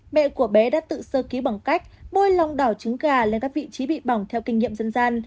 mẹ của bé đã tự sơ ký bằng cách môi lòng đỏ trứng gà lên các vị trí bị bỏng theo kinh nghiệm dân gian